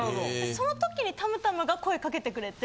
その時にたむたむが声掛けてくれて。